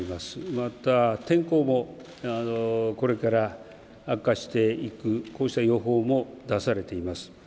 また、天候もこれから悪化していくこうした予報も出されています。